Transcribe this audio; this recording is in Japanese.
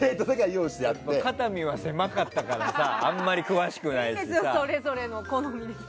肩身は狭かったからあまり詳しくないから。